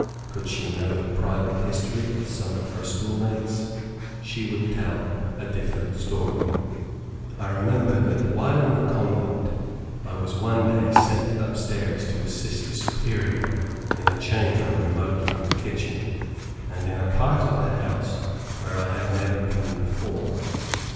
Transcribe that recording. Could she know the private history of some of her school mates, she would tell a different story. I remember that while in the convent, I was one day sent up stairs to assist a Superior in a chamber remote from the kitchen, and in a part of the house where I had never been before.